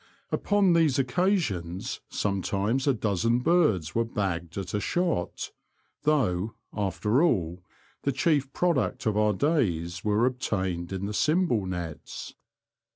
Upon these occasions sometimes a dozen birds were bagged at a shot, though, after all, the chief product of our days were obtained in the cymbal nets.